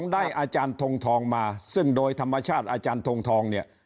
ได้อาจารย์ทงทองมาซึ่งโดยธรรมชาติอาจารย์ทงทองเนี่ย